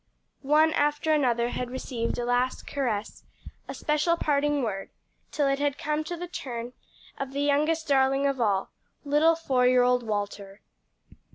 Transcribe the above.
One after another had received a last caress, a special parting word, till it had come to the turn of the youngest darling of all little four year old Walter.